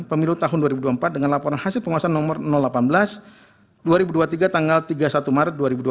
pemilu tahun dua ribu dua puluh empat dengan laporan hasil penguasaan nomor delapan belas dua ribu dua puluh tiga tanggal tiga puluh satu maret dua ribu dua puluh